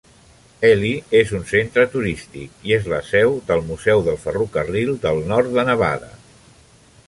Ely és un centre turístic, i és la seu del Museu del Ferrocarril del Nord de Nevada.